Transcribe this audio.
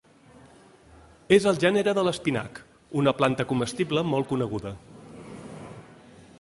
És el gènere de l'espinac, una planta comestible molt coneguda.